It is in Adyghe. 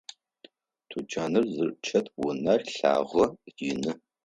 Тучаныр зычӏэт унэр лъагэ, ины.